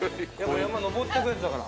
山、登っていくやつだから。